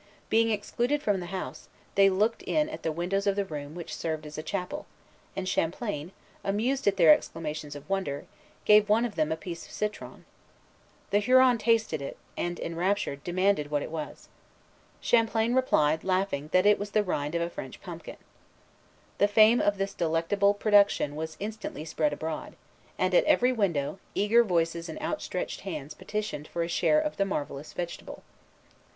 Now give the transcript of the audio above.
Being excluded from the house, they looked in at the windows of the room which served as a chapel; and Champlain, amused at their exclamations of wonder, gave one of them a piece of citron. The Huron tasted it, and, enraptured, demanded what it was. Champlain replied, laughing, that it was the rind of a French pumpkin. The fame of this delectable production was instantly spread abroad; and, at every window, eager voices and outstretched hands petitioned for a share of the marvellous vegetable.